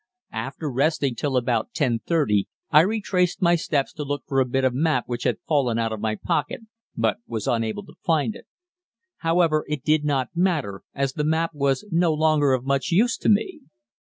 After resting till about 10.30 I retraced my steps to look for a bit of map which had fallen out of my pocket, but was unable to find it. However, it did not matter, as the map was no longer of much use to me.